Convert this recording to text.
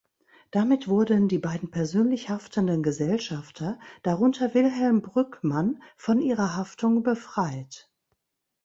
Damit wurden die beiden persönlich haftenden Gesellschafter, darunter Wilhelm Brügmann von ihrer Haftung befreit.